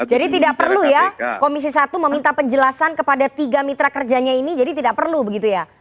jadi tidak perlu ya komisi satu meminta penjelasan kepada tiga mitra kerjanya ini jadi tidak perlu begitu ya